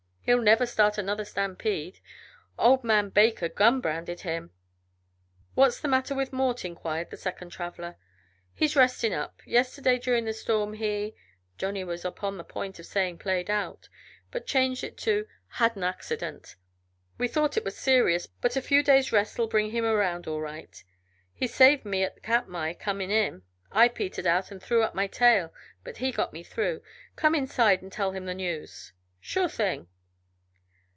He'll never start another stampede. Old man Baker gun branded him." "What's the matter with Mort?" inquired the second traveler. "He's resting up. Yesterday, during the storm he " Johnny was upon the point of saying "played out," but changed it to "had an accident. We thought it was serious, but a few days' rest'll bring him around all right. He saved me at Katmai, coming in. I petered out and threw up my tail, but he got me through. Come inside and tell him the news." "Sure thing."